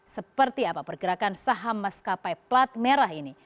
seperti apa pergerakan saham maskapai plat merah ini